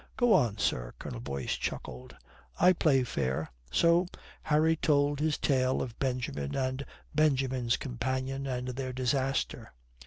"Go on, sir," Colonel Boyce chuckled. "I play fair." So Harry told his tale of Benjamin and Benjamin's companion and their disaster.